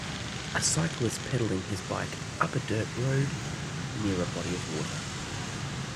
A cyclist pedaling his bike up a dirt road near a body of water.